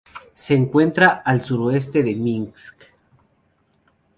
Se encuentra al suroeste de Minsk.